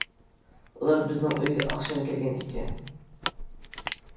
ئۇلار بىزنىڭ ئۆيگە ئاخشام كەلگەن ئىكەن.